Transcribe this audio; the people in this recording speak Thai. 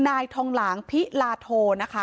นายทองหลางพิราโท